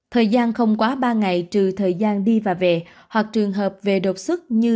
thời gian không quá ba ngày trừ thời gian đi và về hoặc trường hợp về đột xuất như